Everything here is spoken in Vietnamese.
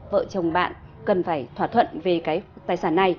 vợ chồng bạn cần phải thỏa thuận về cái tài sản này